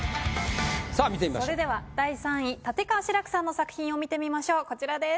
それでは第３位立川志らくさんの作品を見てみましょうこちらです。